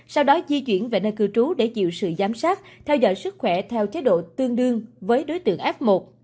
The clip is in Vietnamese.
sau đó di chuyển về nơi cư trú để chịu sự giám sát theo dõi sức khỏe theo chế độ tương đương với đối tượng f một